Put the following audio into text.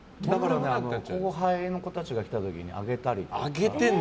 後輩の子たちが来た時にあげたりとか。